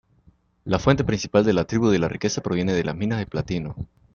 La fuente principal de la tribu de la riqueza proviene de minas de platino.